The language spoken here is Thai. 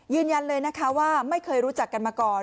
ยืนยันเลยนะคะว่าไม่เคยรู้จักกันมาก่อน